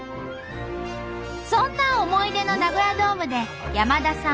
そんな思い出のナゴヤドームで山田さん